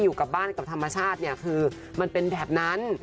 อยู่กับบ้านกับธรรมชาติเนี่ยคือมันเป็นแบบนั้น